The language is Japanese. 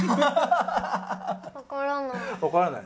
わからない？